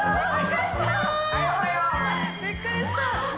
びっくりした。